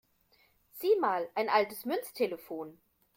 Sieh mal, ein altes Münztelefon!